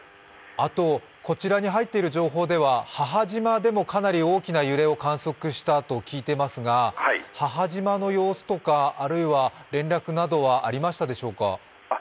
あと、こちらに入っている情報では母島でもかなり大きな揺れを観測したと聞いていますが母島の様子とか、あるいは連絡などはありましたでしょうか？